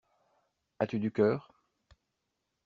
As-tu du cœur?